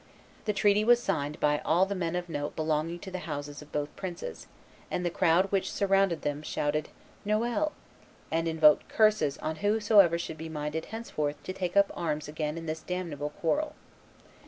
The treaty was signed by all the men of note belonging to the houses of both princes; and the crowd which surrounded them shouted "Noel!" and invoked curses on whosoever should be minded henceforth to take up arms again in this damnable quarrel.